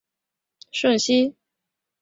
先代国王舜马顺熙之子。